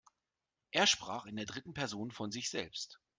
Er sprach in der dritten Person von sich selbst.